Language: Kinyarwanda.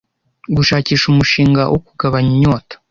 Gushakisha umushinga wo kugabanya inyota--